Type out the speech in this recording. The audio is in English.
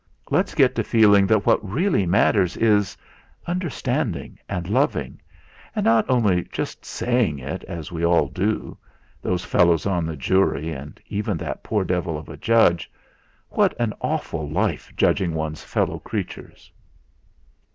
Let's get to feeling that what really matters is understanding and loving, and not only just saying it as we all do, those fellows on the jury, and even that poor devil of a judge what an awful life judging one's fellow creatures.